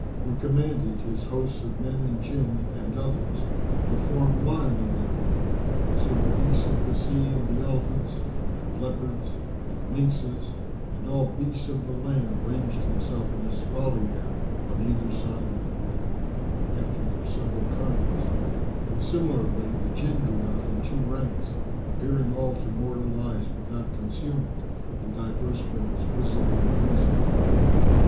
who commanded his hosts of men and Jinn and others[FN#362] to form line on their road. So the beasts of the sea and the elephants and leopards and lynxes and all beasts of the land ranged themselves in espalier on either side of the way, after their several kinds, and similarly the Jinn drew out in two ranks, appearing all to mortal eyes without concealment, in divers forms grisly and gruesome.